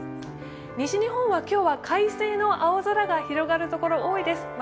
西日本は今日は快晴の青空が広がるところが多いです。